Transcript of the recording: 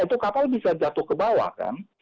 itu kapal bisa jatuh ke bawah kan